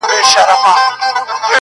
ویل کوچ وکړ یارانو ویل ړنګ سول محفلونه -